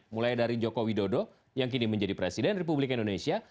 mulai dari joko widodo yang kini menjadi presiden republik indonesia